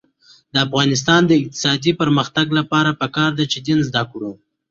د افغانستان د اقتصادي پرمختګ لپاره پکار ده چې دین زده کړو.